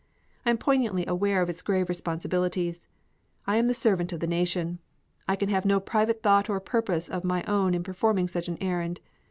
I am poignantly aware of its grave responsibilities. I am the servant of the Nation. I can have no private thought or purpose of my own in performing such an errand.